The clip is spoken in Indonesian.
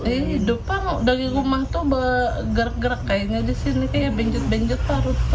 di depan dari rumah itu bergerak gerak kayaknya disini kayak benjut benjut parut